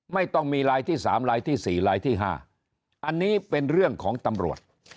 ไม่ต้องมีลายที่๓ลายที่๔ลายที่๕อันนี้เป็นเรื่องของตำรวจ